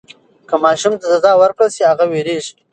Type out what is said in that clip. که ماشوم ته سزا ورکړل سي هغه وېرېږي.